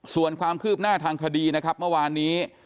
ส่วนความคืบหน้าทางคดีนะครับเมื่อวานนี้